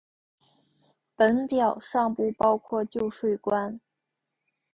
本表尚不包括旧税关。